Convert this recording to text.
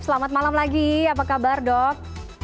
selamat malam lagi apa kabar dok